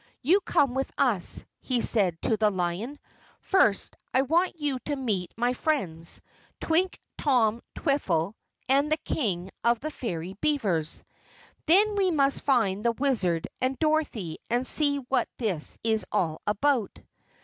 "You come with us," he said to the Lion. "First, I want you to meet my friends, Twink, Tom, Twiffle, and the King of the Fairy Beavers. Then we must find the Wizard and Dorothy and see what this is all about."